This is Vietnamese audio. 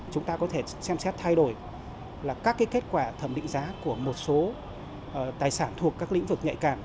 chúng ta có thể xem xét thay đổi là các kết quả thẩm định giá của một số tài sản thuộc các lĩnh vực nhạy cảm